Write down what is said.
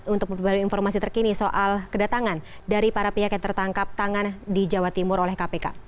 untuk memperbarui informasi terkini soal kedatangan dari para pihak yang tertangkap tangan di jawa timur oleh kpk